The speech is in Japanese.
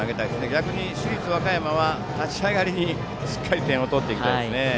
逆に市立和歌山は立ち上がりにしっかり点を取っていきたいですね。